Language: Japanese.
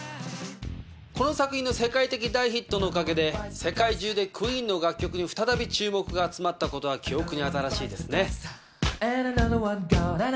この作品の世界的大ヒットのおかげで世界中で ＱＵＥＥＮ の楽曲に再び注目が集まったことは記憶に新しいですね。